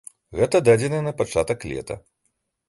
Гэта дадзеныя на пачатак лета.